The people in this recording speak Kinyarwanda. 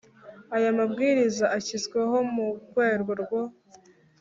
Aya Mabwiriza ashyizweho mu rwego rwo